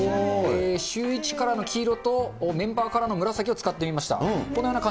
シューイチカラーの黄色とメンバーカラーの紫を使ってみました。